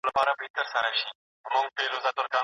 دا کار د زعفرانو لپاره حیاتي دی.